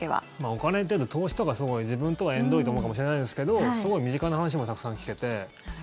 お金っていうと投資とかすごい自分とは縁遠いと思うかもしれないですけどすごく身近な話もたくさん聞けて。